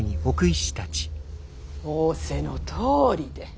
仰せのとおりで！